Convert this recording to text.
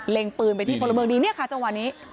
ปืนไปที่พลเมืองดีเนี่ยค่ะจังหวะนี้